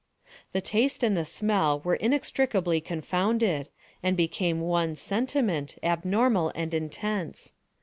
The taste and the smell were inextricably confounded, and became one sentiment, abnormal and intense.